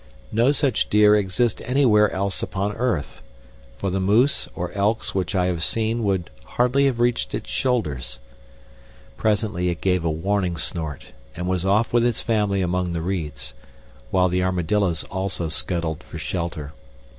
No such deer exist anywhere else upon earth, for the moose or elks which I have seen would hardly have reached its shoulders. Presently it gave a warning snort, and was off with its family among the reeds, while the armadillos also scuttled for shelter.